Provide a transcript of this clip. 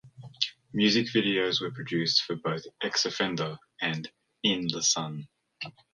Music videos were produced for both "X Offender" and "In The Sun".